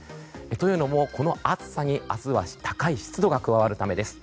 というのも、この暑さに明日は高い湿度が加わるためです。